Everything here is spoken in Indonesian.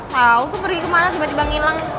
tau itu pergi kemana tiba tiba ngilang